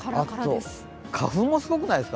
花粉もすごくないですか？